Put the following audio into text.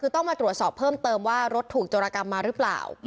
ต้องมาตรวจสอบเพิ่มเติมว่ารถถูกโจรกรรมมีความอร่อยไหม